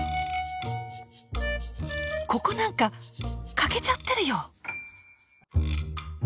ここなんか欠けちゃってるよ。